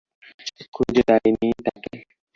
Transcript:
খুঁজো ডাইনি টাকে!